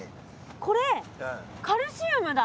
これカルシウムだ。